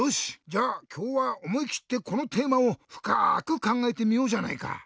じゃあきょうはおもいきってこのテーマをふかくかんがえてみようじゃないか。